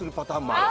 ある！